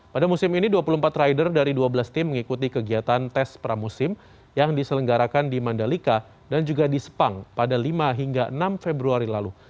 pada musim ini dua puluh empat rider dari dua belas tim mengikuti kegiatan tes pramusim yang diselenggarakan di mandalika dan juga di sepang pada lima hingga enam februari lalu